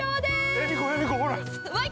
◆エミコ、エミコ、ほらっ。